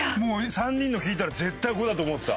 ３人の聞いたら絶対５だと思ってた。